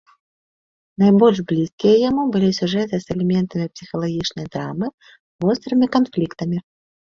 Найбольш блізкія яму былі сюжэты з элементамі псіхалагічнай драмы, вострымі канфліктамі.